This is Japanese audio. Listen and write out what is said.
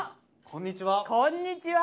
こんにちは。